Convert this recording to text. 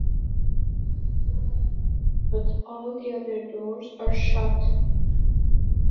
But all the other doors are shut.